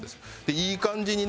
いい感じにね